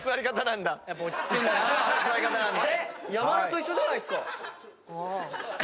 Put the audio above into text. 山田と一緒じゃないっすか。